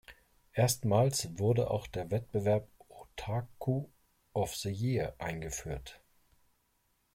Erstmals wurde auch der Wettbewerb "Otaku of the Year" eingeführt.